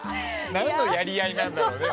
何のやり合いなんだろうね。